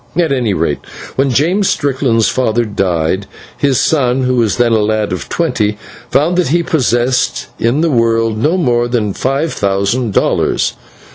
At any rate, when James Strickland's father died, his son, who was then a lad of twenty, found that he possessed in the world no more than five thousand dollars.